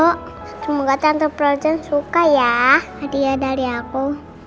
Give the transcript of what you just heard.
oh semoga tante frozen suka ya hadiah dari aku